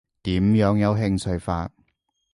點樣有興趣法？